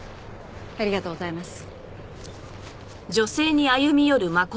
ありがとうございます。